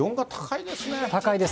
高いです。